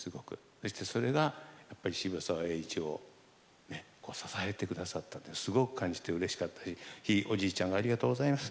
そしてそれがやっぱり渋沢栄一を支えてくださったとすごく感じてうれしかったしひいおじいちゃんありがとうございます。